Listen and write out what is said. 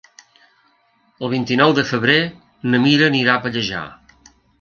El vint-i-nou de febrer na Mira anirà a Pallejà.